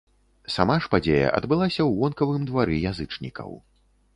Сама ж падзея адбылася ў вонкавым двары язычнікаў.